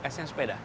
s yang sepeda